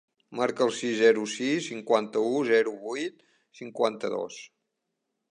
Marca el sis, zero, sis, cinquanta-u, zero, vuit, cinquanta-dos.